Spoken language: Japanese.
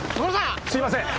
すいません。